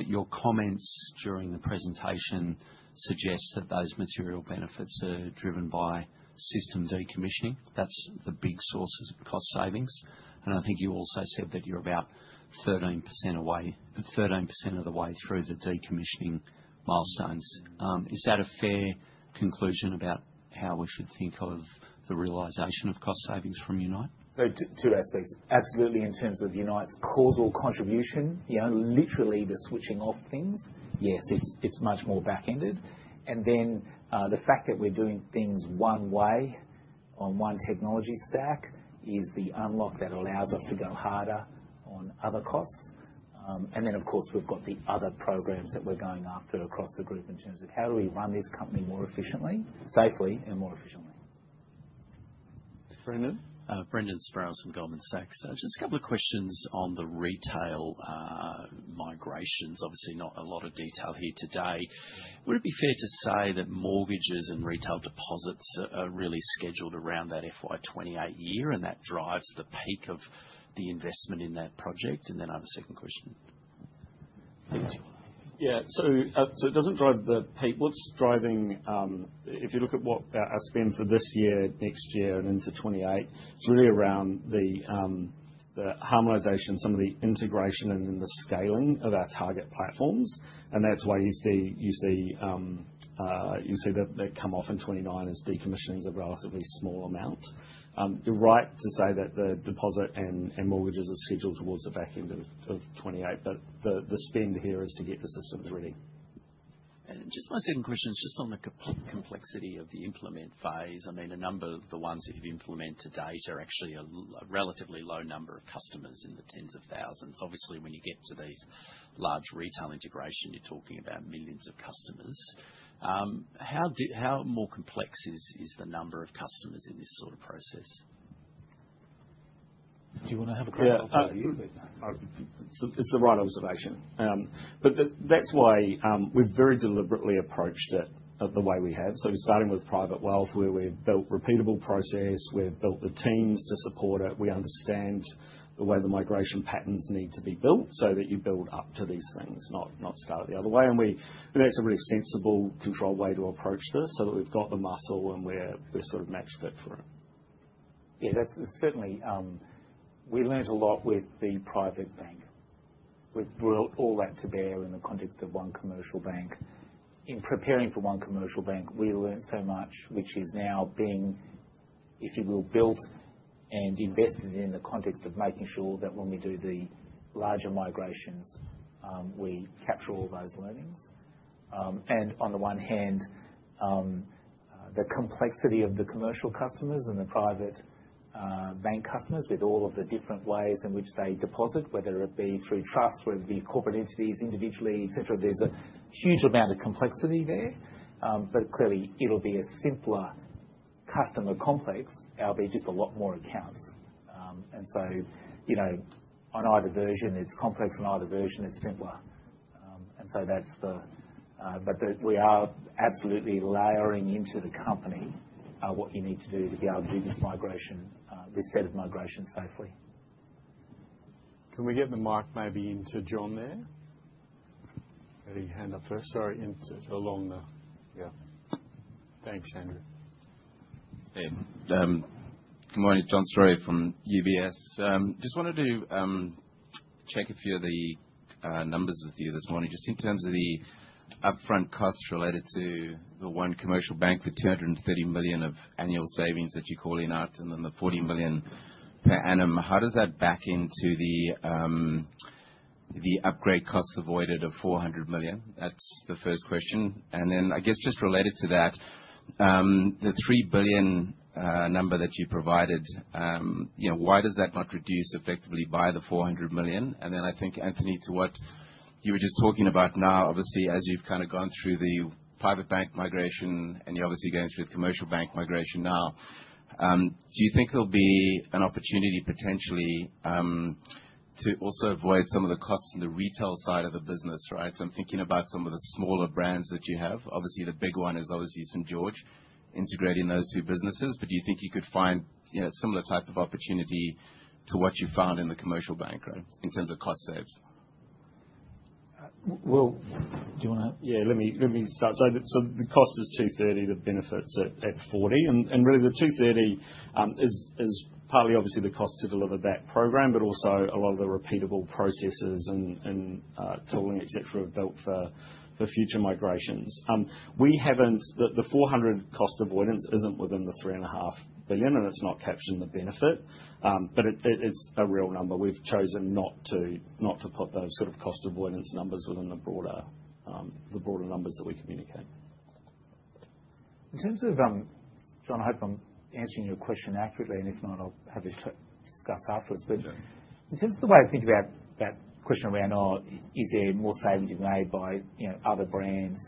Your comments during the presentation suggest that those material benefits are driven by system decommissioning. That's the big source is cost savings. I think you also said that you're about 13% away, 13% of the way through the decommissioning milestones. Is that a fair conclusion about how we should think of the realization of cost savings from UNITE? Two aspects. Absolutely, in terms of UNITE's causal contribution, you know, literally the switching off things. Yes, it's much more back-ended. The fact that we're doing things one way on one technology stack is the unlock that allows us to go harder on other costs. Of course, we've got the other programs that we're going after across the group in terms of how do we run this company more efficiently, safely and more efficiently. Brendan? Brendan Sprouls from Goldman Sachs. Just a couple of questions on the retail migrations. Obviously not a lot of detail here today. Would it be fair to say that mortgages and retail deposits are really scheduled around that FY 2028, and that drives the peak of the investment in that project? I have a second question. Yeah. It doesn't drive the peak. What's driving, if you look at what our spend for this year, next year and into 2028, it's really around the harmonization, some of the integration and the scaling of our target platforms. That's why you see that they come off in 2029 as decommissioning is a relatively small amount. You're right to say that the deposit and mortgages are scheduled towards the back end of 2028. The spend here is to get the systems ready. Just my second question is just on the complexity of the implementation phase. I mean, a number of the ones that you've implemented to date are actually a relatively low number of customers in the tens of thousands. Obviously, when you get to these large retail integrations, you're talking about millions of customers. How much more complex is the number of customers in this sort of process? Do you wanna have a go at that? Yeah. It's the right observation. But that's why we've very deliberately approached it the way we have. Starting with private wealth, where we've built repeatable process, we've built the teams to support it. We understand the way the migration patterns need to be built, so that you build up to these things, not start it the other way. We think it's a really sensible, controlled way to approach this, so that we've got the muscle and we're sort of matched fit for it. Yeah, that's certainly we learned a lot with the Private Bank. We've brought all that to bear in the context of One Commercial Bank. In preparing for One Commercial Bank, we learned so much, which is now being, if you will, built and invested in the context of making sure that when we do the larger migrations, we capture all those learnings. On the one hand, the complexity of the commercial customers and the private bank customers, with all of the different ways in which they deposit, whether it be through trust, whether it be corporate entities individually, et cetera, there's a huge amount of complexity there. Clearly it'll be a simpler customer complex. There'll be just a lot more accounts. You know, on either version it's complex, on either version it's simpler. We are absolutely layering into the company what you need to do to be able to do this migration, this set of migrations safely. Can we get the mic maybe into John there? Had a hand up there. Sorry. Yeah. Thanks, Andrew. Good morning. John Sourbeer from UBS. Just wanted to check a few of the numbers with you this morning. Just in terms of the upfront costs related to the One Commercial Bank, the 230 million of annual savings that you're calling out, and then the 40 million per annum. How does that back into the upgrade costs avoided of 400 million? That's the first question. I guess just related to that, the 3 billion number that you provided, you know, why does that not reduce effectively by the 400 million? I think, Anthony, to what you were just talking about now, obviously as you've kind of gone through the private bank migration and you're obviously going through the commercial bank migration now, do you think there'll be an opportunity potentially, to also avoid some of the costs on the retail side of the business, right? I'm thinking about some of the smaller brands that you have. Obviously the big one is obviously St.George Bank, integrating those two businesses, but do you think you could find, you know, similar type of opportunity to what you found in the commercial bank, right, in terms of cost saves? Will, do you wanna- Yeah, let me start. The cost is 230 million, the benefit's at 40. Really the 230 is partly obviously the cost to deliver that program, but also a lot of the repeatable processes and tooling, et cetera, built for future migrations. The 400 cost avoidance isn't within the 3.5 billion, and it's not captured in the benefit. It is a real number. We've chosen not to put those sort of cost avoidance numbers within the broader numbers that we communicate. In terms of, John, I hope I'm answering your question accurately, and if not, I'll have you to discuss afterwards. Sure. In terms of the way I think about that question around, is there more savings made by, you know, other brands.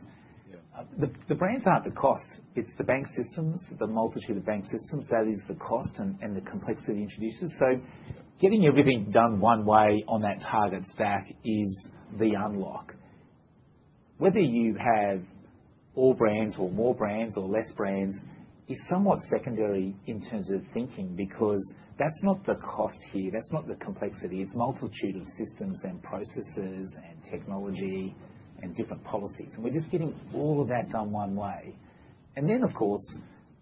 Yeah. The brands aren't the cost. It's the bank systems, the multitude of bank systems. That is the cost and the complexity it introduces. Getting everything done one way on that target stack is the unlock. Whether you have all brands or more brands or less brands is somewhat secondary in terms of thinking, because that's not the cost here. That's not the complexity. It's multitude of systems and processes and technology and different policies. We're just getting all of that done one way. Of course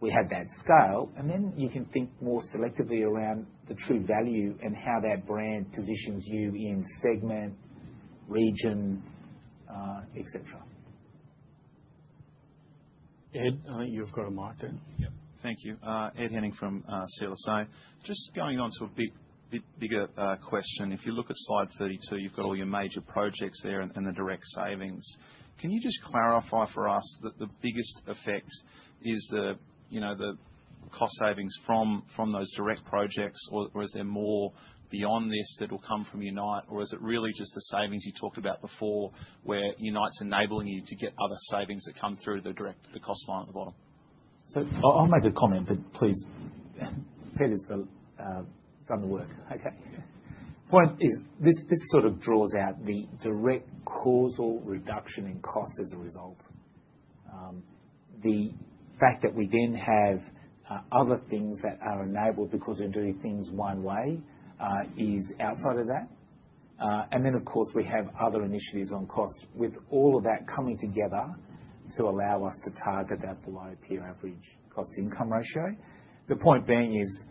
we have that scale, and you can think more selectively around the true value and how that brand positions you in segment, region, et cetera. Ed, I think you've got a mic there. Yep. Thank you. Ed Henning from CLSA. Just going on to a bit bigger question. If you look at slide 32, you've got all your major projects there and the direct savings. Can you just clarify for us that the biggest effect is the cost savings from those direct projects? Or is there more beyond this that will come from UNITE? Or is it really just the savings you talked about before, where UNITE's enabling you to get other savings that come through the direct cost line at the bottom? I'll make a comment, but please Peter's got done the work. Okay. Yeah. Point is, this sort of draws out the direct causal reduction in cost as a result. The fact that we then have other things that are enabled because we're doing things one way is outside of that. And then of course we have other initiatives on cost with all of that coming together to allow us to target that below peer average cost-to-income ratio. The point being is,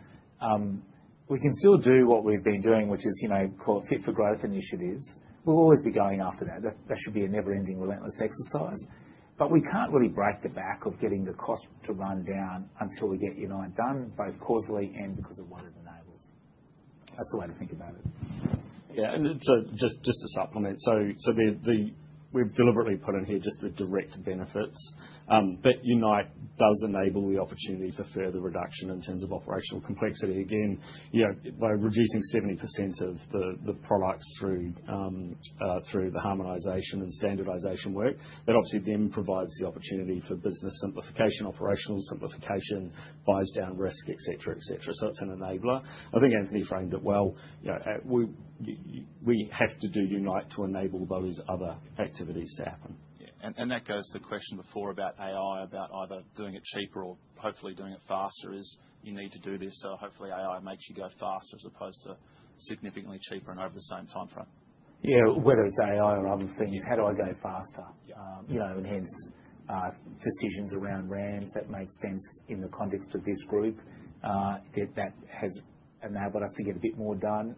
we can still do what we've been doing, which is, you know, call it Fit for Growth initiatives. We'll always be going after that. That should be a never ending relentless exercise. We can't really break the back of getting the cost to run down until we get UNITE done, both causally and because of what it enables. That's the way to think about it. Just to supplement, we've deliberately put in here just the direct benefits. But UNITE does enable the opportunity for further reduction in terms of operational complexity. Again, by reducing 70% of the products through the harmonization and standardization work, that obviously then provides the opportunity for business simplification, operational simplification, buys down risk, et cetera. It's an enabler. I think Anthony framed it well. We have to do UNITE to enable those other activities to happen. That goes to the question before about AI, about either doing it cheaper or hopefully doing it faster, is you need to do this, so hopefully AI makes you go faster as opposed to significantly cheaper and over the same time frame. Yeah. Whether it's AI or other things, how do I go faster? You know, and hence, decisions around RAMS that make sense in the context of this group, that has enabled us to get a bit more done,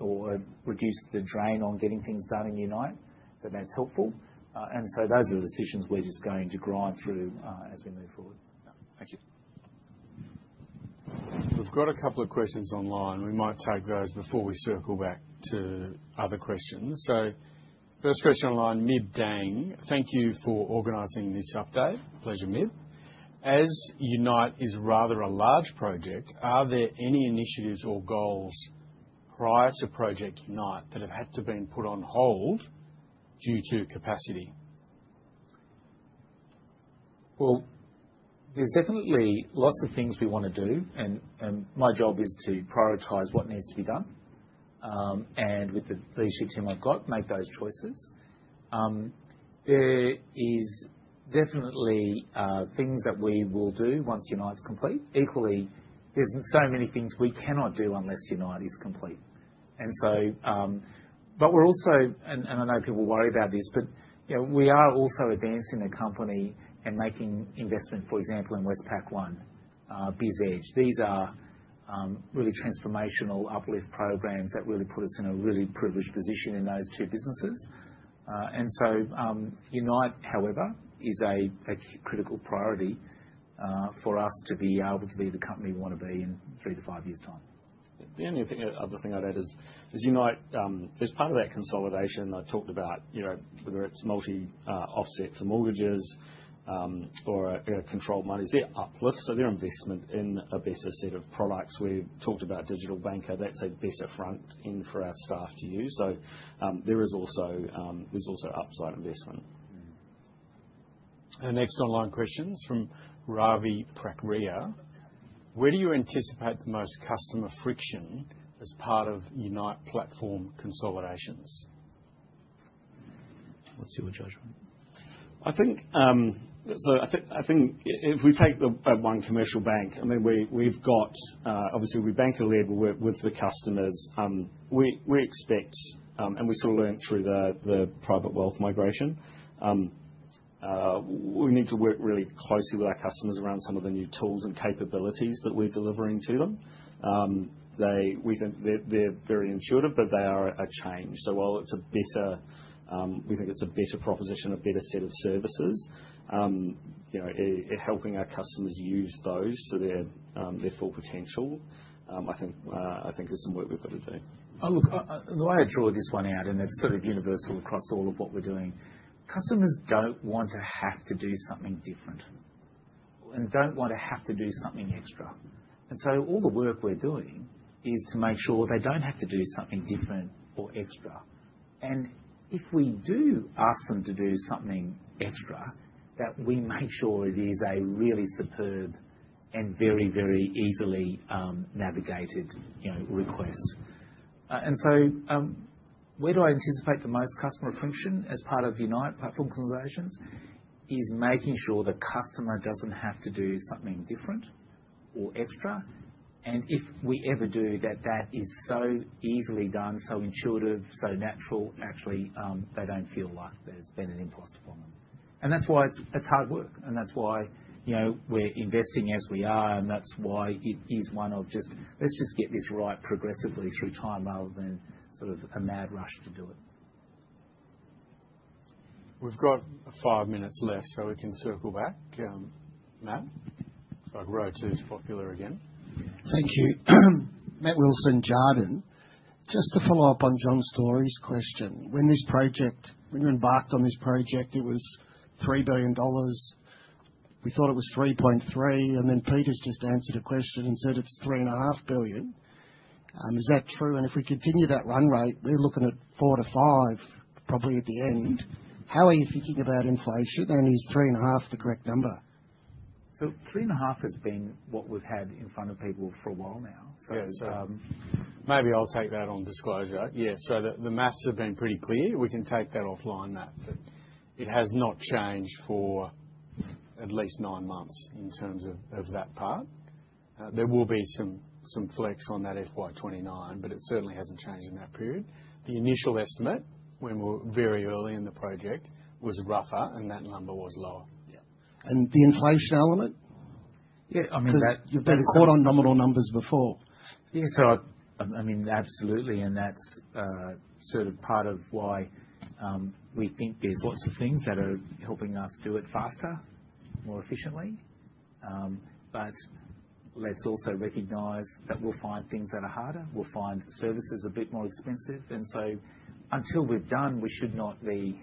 or reduce the drain on getting things done in UNITE. That's helpful. Those are decisions we're just going to grind through, as we move forward. Thank you. We've got a couple of questions online. We might take those before we circle back to other questions. First question online, Mib Dang, "Thank you for organizing this update." Pleasure, Mib. "As UNITE is rather a large project, are there any initiatives or goals prior to Project UNITE that have had to be put on hold due to capacity? Well, there's definitely lots of things we wanna do, and my job is to prioritize what needs to be done with the issue team I've got, make those choices. There is definitely things that we will do once UNITE's complete. Equally, there's so many things we cannot do unless UNITE is complete. I know people worry about this, but, you know, we are also advancing the company and making investment, for example, in Westpac One, BizEdge. These are really transformational uplift programs that really put us in a really privileged position in those two businesses. UNITE, however, is a critical priority for us to be able to be the company we wanna be in three to five years' time. The only other thing I'd add is UNITE's part of that consolidation I talked about, you know, whether it's multi-offset for mortgages or, you know, Controlled Monies. They're uplifts, so they're investment in a better set of products. We've talked about Digital Banker, that's a better front end for our staff to use. There is also upside investment. Our next online question's from Ravi Prakriya, "Where do you anticipate the most customer friction as part of UNITE platform consolidations? What's your judgment? I think if we take the One Commercial Bank, I mean, we've got obviously we bank a lot with the customers. We expect, and we sort of learned through the private wealth migration, we need to work really closely with our customers around some of the new tools and capabilities that we're delivering to them. We think they're very intuitive, but they are a change. While we think it's a better proposition, a better set of services, you know, helping our customers use those to their full potential, I think is some work we've got to do. Oh, look, the way I draw this one out, and it's sort of universal across all of what we're doing, customers don't want to have to do something different and don't want to have to do something extra. All the work we're doing is to make sure they don't have to do something different or extra. If we do ask them to do something extra, that we make sure it is a really superb and very, very easily navigated, you know, request. Where do I anticipate the most customer friction as part of UNITE platform consolidations? It is making sure the customer doesn't have to do something different or extra. If we ever do that is so easily done, so intuitive, so natural, actually, they don't feel like there's been an imposition on them. That's why it's hard work, and that's why, you know, we're investing as we are, and that's why it is one of just, let's just get this right progressively through time rather than sort of a mad rush to do it. We've got five minutes left, so we can circle back. Matt. Row two's popular again. Thank you. Matt Wilson, Jarden. Just to follow up on John Sourbeer's question. When you embarked on this project, it was 3 billion dollars. We thought it was 3.3 billion, and then Peter's just answered a question and said it's 3.5 billion. Is that true? If we continue that run rate, we're looking at 4 billion-5 billion probably at the end. How are you thinking about inflation, and is 3.5 billion the correct number? 3.5 has been what we've had in front of people for a while now. Maybe I'll take that on disclosure. Yeah. The math has been pretty clear. We can take that offline, Matt, that it has not changed for at least nine months in terms of that part. There will be some flex on that FY 2029, but it certainly hasn't changed in that period. The initial estimate when we were very early in the project was rougher, and that number was lower. Yeah. The inflation element? Yeah, I mean. 'Cause you've been caught on nominal numbers before. Yeah. I mean, absolutely, and that's sort of part of why we think there's lots of things that are helping us do it faster, more efficiently. Let's also recognize that we'll find things that are harder. We'll find services a bit more expensive. Until we're done, we should not be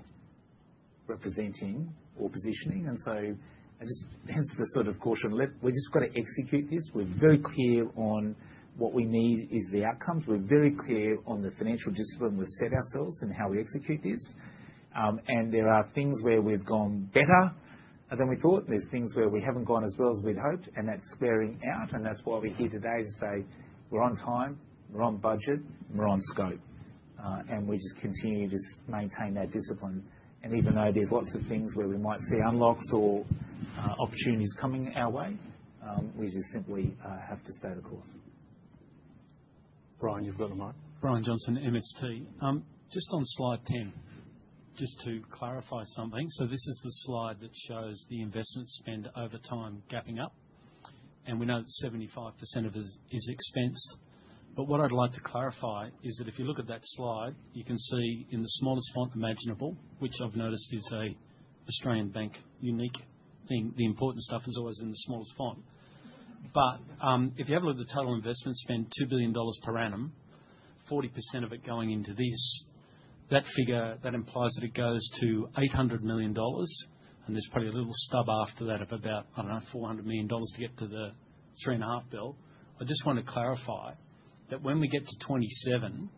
representing or positioning. I just hence the sort of caution. We just gotta execute this. We're very clear on what we need is the outcomes. We're very clear on the financial discipline we've set ourselves and how we execute this. There are things where we've gone better than we thought, and then there's things where we haven't gone as well as we'd hoped, and that's squaring out, and that's why we're here today to say we're on time, we're on budget, and we're on scope. We just continue to just maintain that discipline. Even though there's lots of things where we might see unlocks or opportunities coming our way, we just simply have to stay the course. Brian, you've got the mic. Brian Johnson, MST. Just on slide 10, just to clarify something. This is the slide that shows the investment spend over time gapping up, and we know that 75% of it is expensed. What I'd like to clarify is that if you look at that slide, you can see in the smallest font imaginable, which I've noticed is an Australian bank unique thing, the important stuff is always in the smallest font. If you have a look at the total investment spend, 2 billion dollars per annum, 40% of it going into this, that figure, that implies that it goes to 800 million dollars, and there's probably a little stub after that of about, I don't know, 400 million dollars to get to the 3.5 billion. I just want to clarify that when we get to FY 2027,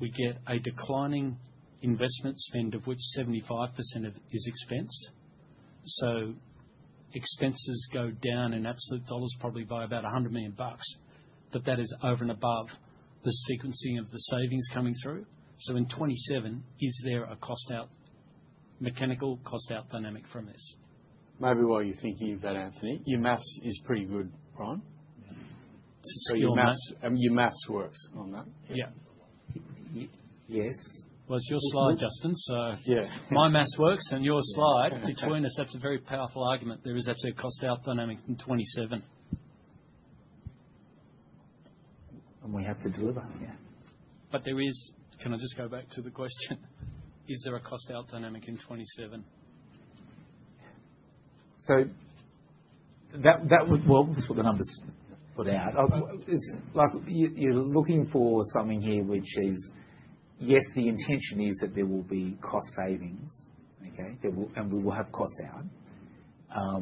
we get a declining investment spend of which 75% is expensed. Expenses go down in absolute dollars probably by about 100 million bucks. That is over and above the sequencing of the savings coming through. In FY 2027, is there a cost out mechanical cost out dynamic from this? Maybe while you're thinking of that, Anthony. Your math is pretty good, Brian. It's a skill, math. Your math works on that? Yeah. Y-yes. Well, it's your slide, Justin, so. Yeah.... my math works and your slide. Between us, that's a very powerful argument. There is actually a cost out dynamic in 2027. We have to deliver. Yeah. There is. Can I just go back to the question? Is there a cost out dynamic in 2027? Well, the numbers put out. It's like you're looking for something here which is, yes, the intention is that there will be cost savings. Okay? We will have cost out.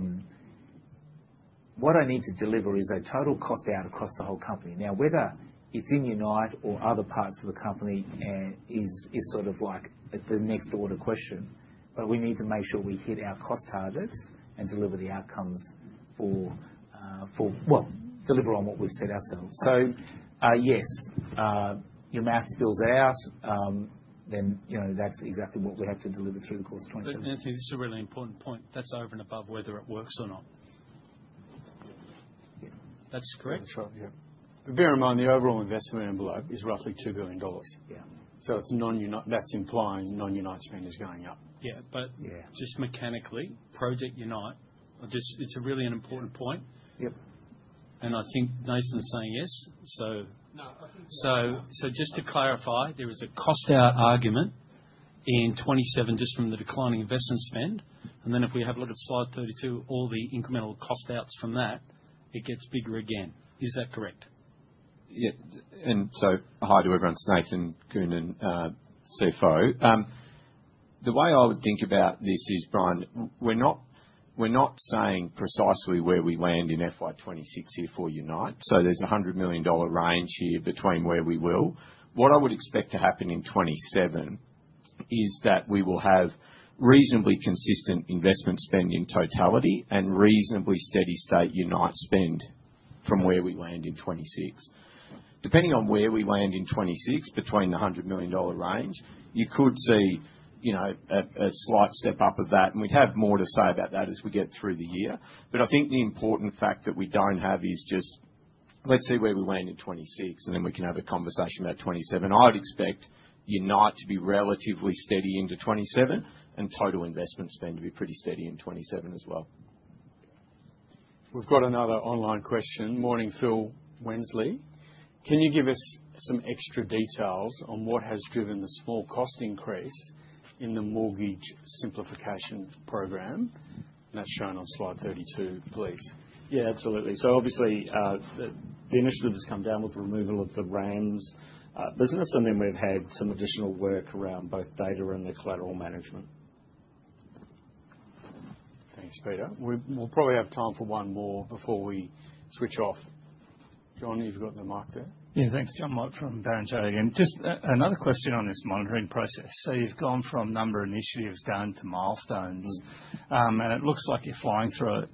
What I need to deliver is a total cost out across the whole company. Now, whether it's in UNITE or other parts of the company, is sort of like the next order question. We need to make sure we hit our cost targets and deliver the outcomes for, well, deliver on what we've said ourselves. Yes, your math adds up, you know, that's exactly what we have to deliver through the course of 2027. Anthony, this is a really important point. That's over and above whether it works or not. Yeah. That's correct. That's right, yeah. Bear in mind, the overall investment envelope is roughly 2 billion dollars. Yeah. It's non-UNITE that's implying non-UNITE spend is going up. Yeah, but. Yeah. Just mechanically, Project UNITE. It's really an important point. Yep. I think Nathan Goonan's saying yes. No, I think. Just to clarify, there is a cost out argument in FY 2027 just from the declining investment spend, and then if we have a look at slide 32, all the incremental cost outs from that, it gets bigger again. Is that correct? Hi to everyone. It's Nathan Goonan, CFO. The way I would think about this is, Brian, we're not saying precisely where we land in FY 2026 here for UNITE. There's an 100 million dollar range here between where we will. What I would expect to happen in 2027 is that we will have reasonably consistent investment spend in totality and reasonably steady state UNITE spend from where we land in 2026. Depending on where we land in 2026, between the 100 million dollar range, you could see, you know, a slight step up of that, and we'd have more to say about that as we get through the year. I think the important fact that we don't have is just, let's see where we land in 2026, and then we can have a conversation about 2027. I'd expect UNITE to be relatively steady into FY 2027 and total investment spend to be pretty steady in FY 2027 as well. We've got another online question. Morning, Phil Wensley. Can you give us some extra details on what has driven the small cost increase in the mortgage simplification program? That's shown on slide 32, please. Yeah, absolutely. Obviously, the initiative has come down with the removal of the RAMS business and then we've had some additional work around both data and the collateral management. Thanks, Peter. We'll probably have time for one more before we switch off. Jon, you've got the mic there. Yeah, thanks. Jon Mott from Barrenjoey again. Just another question on this monitoring process. You've gone from numerous initiatives down to milestones. It looks like you're flying through it.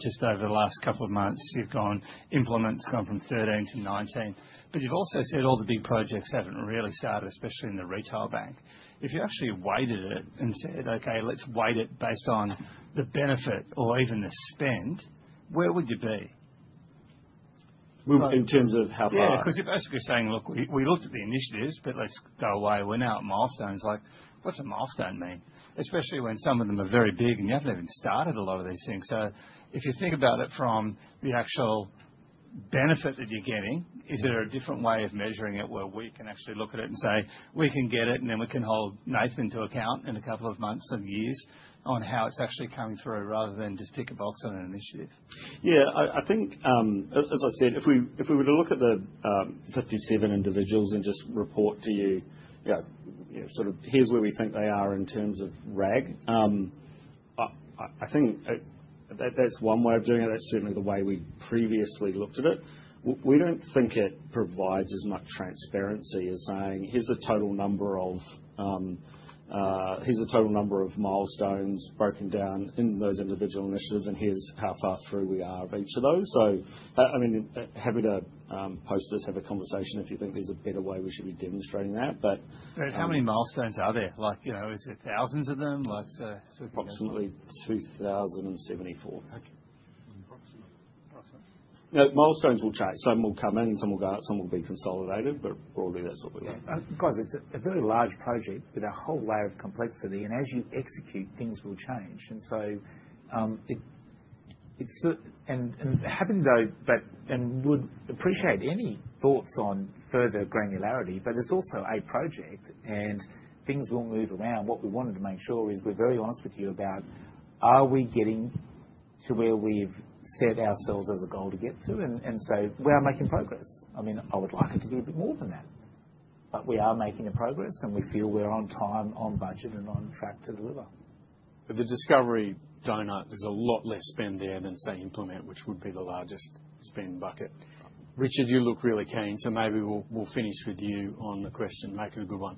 Just over the last couple of months, implementations have gone from 13 to 19. But you've also said all the big projects haven't really started, especially in the Retail Bank. If you actually weighted it and said, "Okay, let's weight it based on the benefit or even the spend," where would you be? In terms of how far. Yeah, 'cause you're basically saying, "Look, we looked at the initiatives, but let's go away. We're now at milestones." Like, what's a milestone mean? Especially when some of them are very big and you haven't even started a lot of these things. So if you think about it from the actual benefit that you're getting, is there a different way of measuring it where we can actually look at it and say, "We can get it," and then we can hold Nathan to account in a couple of months and years on how it's actually coming through, rather than just tick a box on an initiative. Yeah. I think, as I said, if we were to look at the 57 individuals and just report to you know, sort of here's where we think they are in terms of RAG, I think that that's one way of doing it. That's certainly the way we previously looked at it. We don't think it provides as much transparency as saying, "Here's the total number of milestones broken down in those individual initiatives, and here's how far through we are of each of those." I mean, happy to post this, have a conversation if you think there's a better way we should be demonstrating that, but How many milestones are there? Like, you know, is it thousands of them? Like, Approximately 2,074. Okay. Approximately. Now, milestones will change. Some will come in, some will go out, some will be consolidated, but broadly that's what we got. Yeah. Guys, it's a very large project with a whole layer of complexity, and as you execute, things will change. Happy though, but would appreciate any thoughts on further granularity, but it's also a project and things will move around. What we wanted to make sure is we're very honest with you about are we getting to where we've set ourselves as a goal to get to. We are making progress. I mean, I would like it to be a bit more than that, but we are making a progress, and we feel we're on time, on budget, and on track to deliver. The discovery donut, there's a lot less spend there than, say, implement, which would be the largest spend bucket. Richard, you look really keen, so maybe we'll finish with you on the question. Make it a good one.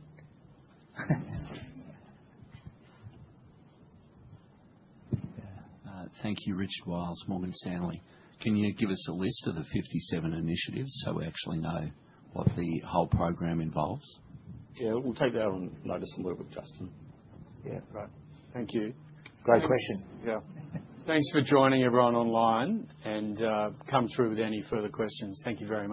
Yeah. Thank you. Rich Wiles, Morgan Stanley. Can you give us a list of the 57 initiatives, so we actually know what the whole program involves? Yeah. We'll take that on notice and work with Justin. Yeah. Right. Thank you. Great question. Yeah. Thanks for joining everyone online and, come through with any further questions. Thank you very much.